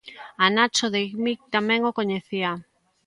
A Nacho, de Igmig, tamén o coñecía.